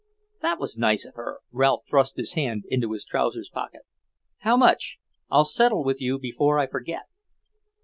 "That was nice of her." Ralph thrust his hand into his trousers pocket. "How much? I'll settle with you before I forget."